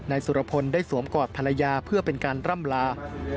สุรพลได้สวมกอดภรรยาเพื่อเป็นการร่ำลา